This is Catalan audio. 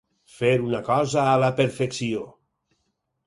Fer una cosa a la perfecció.